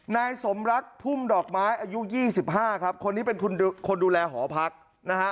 นายสมรักพุ่มดอกไม้อายุ๒๕ครับคนนี้เป็นคนดูแลหอพักนะฮะ